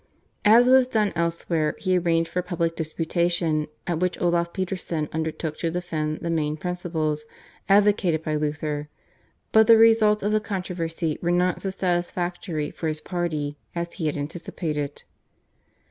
As was done elsewhere, he arranged for a public disputation at which Olaf Peterson undertook to defend the main principles advocated by Luther, but the results of the controversy were not so satisfactory for his party as he had anticipated.